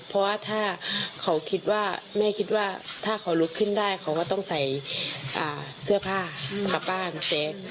เพราะว่าถ้าเขาคิดว่าแม่คิดว่าถ้าเขาลุกขึ้นได้เขาก็ต้องใส่เสื้อผ้ากลับบ้าน